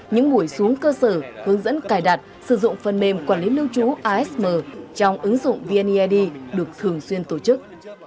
những buổi xuống cơ sở hướng dẫn cài đặt sử dụng phần mềm quản lý lưu trú asm trong ứng dụng vneid được thường xuyên tổ chức